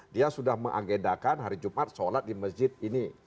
dia sudah mengagendakan hari jumat sholat di masjid ini